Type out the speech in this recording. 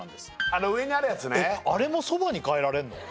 あの上にあるやつねあれもそばにかえられるの？